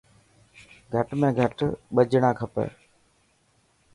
گهٽ ۾ گهٽ ٻه ڄڻا کپي.